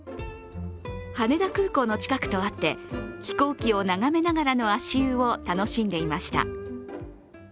羽田空港の近くとあって飛行機を眺めながらの足湯を楽しんでいました。